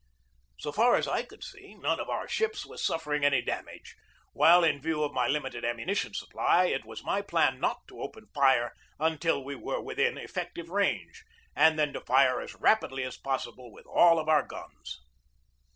So far as I could see, none of our ships was suf fering any damage, while, in view of my limited am munition supply, it was my plan not to open fire until we were within effective range, and then to fire as rapidly as possible with all of our guns.